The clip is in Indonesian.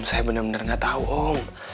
saya bener bener nggak tahu om